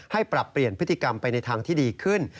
ปรับเปลี่ยนพฤติกรรมไปในทางที่ดีขึ้น